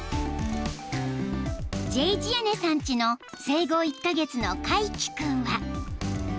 ［ジェイジアネさんちの生後１カ月のカイキ君は］